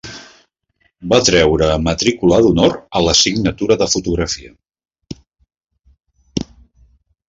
Va treure matrícula d'honor a l'assignatura de Fotografia.